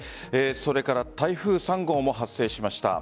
それから台風３号も発生しました。